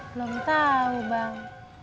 belum tahu bang